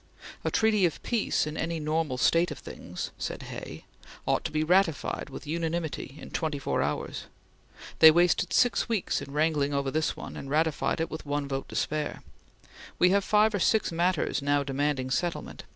"A treaty of peace, in any normal state of things," said Hay, "ought to be ratified with unanimity in twenty four hours. They wasted six weeks in wrangling over this one, and ratified it with one vote to spare. We have five or six matters now demanding settlement.